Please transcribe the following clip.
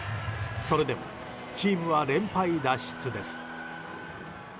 それでもチームは連敗脱出です。